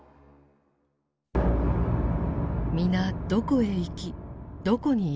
皆どこへ行きどこにいるのか。